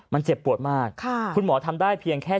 มันเจ็บปวดมากคุณหมอทำได้เพียงแค่